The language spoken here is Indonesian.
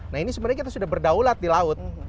nah ini sebenarnya kita sudah berdaulat di laut